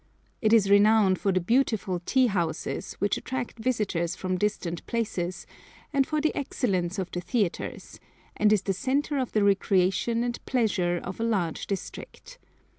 It is renowned for the beautiful tea houses, which attract visitors from distant places, and for the excellence of the theatres, and is the centre of the recreation and pleasure of a large district.